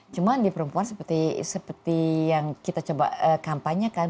cuma di perempuan seperti yang kita coba kampanyekan